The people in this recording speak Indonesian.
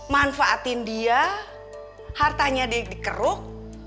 manfaatin dia hartanya dikeruk